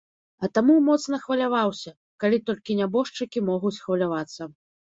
А таму моцна хваляваўся, калі толькі нябожчыкі могуць хвалявацца.